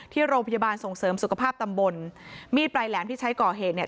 ที่โรงพยาบาลส่งเสริมสุขภาพตำบลมีดปลายแหลมที่ใช้ก่อเหตุเนี่ย